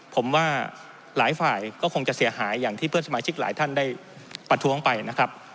ผมว่าหลายฝ่ายก็คงจะเสียหายอย่างที่เพื่อนสมาชิกหลายท่านได้ประท้วงไปนะครับ